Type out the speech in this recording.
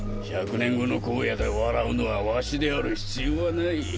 １００年後の荒野で笑うのはわしである必要はない。